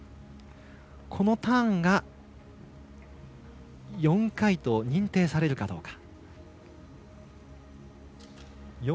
このターンが４回と認定されるかどうか。